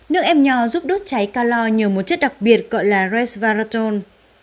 nước em nho giúp đốt cháy calor nhờ một chất đặc biệt gọi là resin